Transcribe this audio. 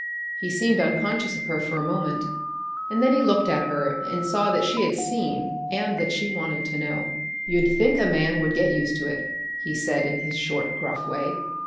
He seemed unconscious of her for a moment, and then he looked at her and saw that she had seen and that she wanted to know. "You'd think a man would get used to it," he said in his short, gruff way.